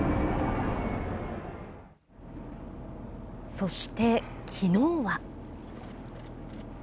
そして、きのうは。